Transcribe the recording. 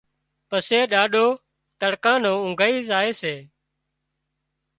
پسي ڏاڏو تڙڪا نو اونگھائي زائي سي